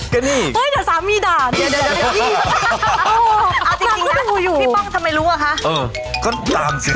คนที่ตามแล้วคุณหน่าอยากส่อง